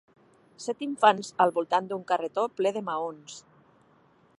set infants al voltant d'un carretó ple de maons